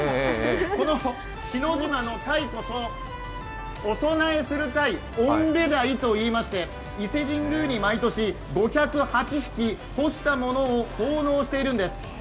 この篠島のタイこそ、お供えするタイおんべ鯛といいまして伊勢神宮に毎年、５０８匹干したものを奉納しているんです。